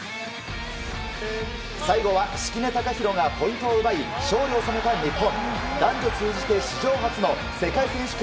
最後は敷根崇裕がポイントを奪い勝利を収めた日本。